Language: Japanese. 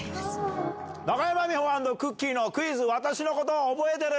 「中山美穂＆くっきー！のクイズ私のこと覚えてる？」。